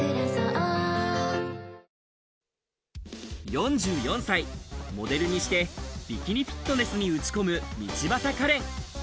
４４歳、モデルにしてビキニフィットネスに打ち込む道端カレン。